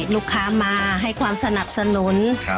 ลูกค้ามาให้ความสนับสนุน